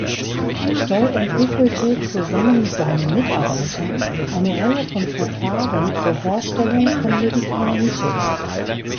Stoll entwickelte zusammen mit seinen Mitarbeitern eine Reihe von Verfahren zur Herstellung von Medikamenten.